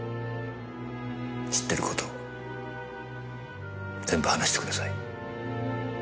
知ってる事全部話してください。